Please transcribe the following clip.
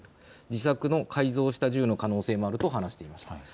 自作の改造した銃の可能性もあると話していました。